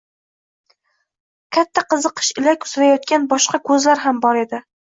qattiq qiziqish ila kuzatayotgan boshqa ko‘zlar ham bor edi.